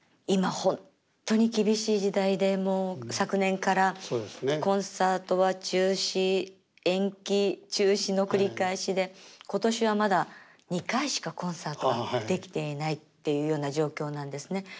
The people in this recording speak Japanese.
今本当に厳しい時代でもう昨年からコンサートは中止延期中止の繰り返しで今年はまだ２回しかコンサートができていないっていうような状況なんですね。